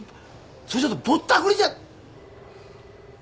それちょっとぼったくりじゃ！？